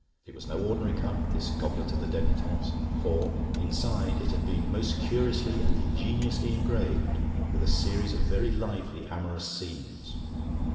It was no ordinary cup, this goblet of the debutantes; for, inside, it had been most curiously and ingeniously engraved with a series of very lively amorous scenes.